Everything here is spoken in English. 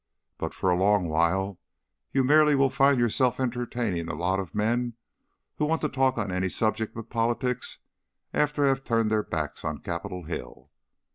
But for a long while you merely will find yourself entertaining a lot of men who want to talk on any subject but politics after they have turned their backs on Capitol Hill.